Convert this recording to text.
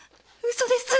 嘘です！